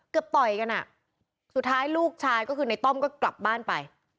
ต่อยกันอ่ะสุดท้ายลูกชายก็คือในต้อมก็กลับบ้านไป